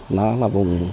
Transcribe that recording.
nó gặp có những khó khăn